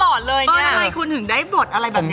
แล้วทำไมคุณถึงได้บทอะไรแบบนี้